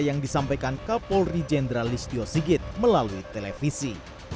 yang disampaikan kapolri jendralistio sigit melalui televisi